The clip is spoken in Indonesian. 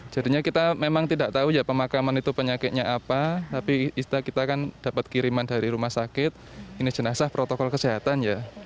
jadinya kita memang tidak tahu ya pemakaman itu penyakitnya apa tapi kita kan dapat kiriman dari rumah sakit ini jenazah protokol kesehatan ya